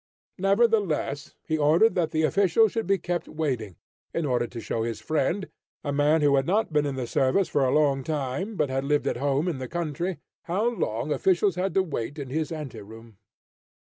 Nevertheless, he ordered that the official should be kept waiting, in order to show his friend, a man who had not been in the service for a long time, but had lived at home in the country, how long officials had to wait in his ante room.